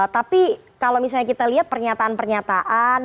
tapi kalau misalnya kita lihat pernyataan pernyataan